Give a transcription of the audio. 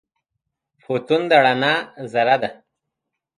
فوتون د رڼا ذره ده.